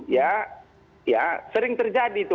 ya sering terjadi itu